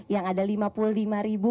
yang ada lima puluh lima ribu